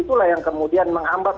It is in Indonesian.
itulah yang kemudian menghambat